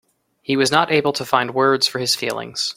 He was not able to find words for his feelings.